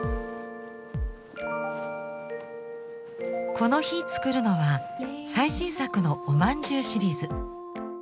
この日作るのは最新作の「おまんじゅうシリーズ」。